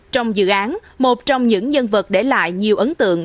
trong dự án một trong những nhân vật để lại nhiều ấn tượng